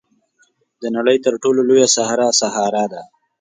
د نړۍ تر ټولو لویه صحرا سهارا ده.